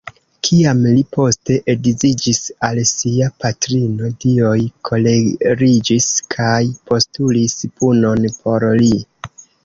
Kiam li poste edziĝis al sia patrino, dioj koleriĝis kaj postulis punon por li.